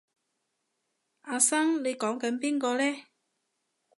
阿生你講緊邊個呢？